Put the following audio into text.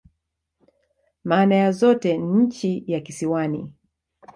Maana ya zote ni "nchi ya kisiwani.